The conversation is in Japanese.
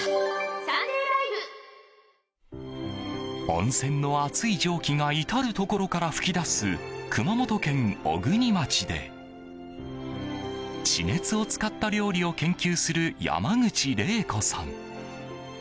温熱の熱い蒸気が至るところから噴き出す熊本県小国町で地熱を使った料理を研究する山口怜子さん。